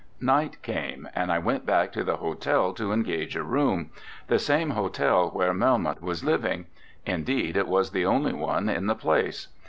Night came, and I went back to the hotel to engage a room, the same hotel where Melmoth was living indeed it was the only one in the place.